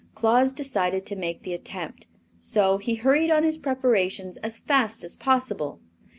Claus decided to make the attempt, so he hurried on his preparations as fast as possible.